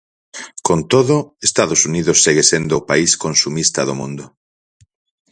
Con todo, Estados Unidos segue sendo o país consumista do mundo.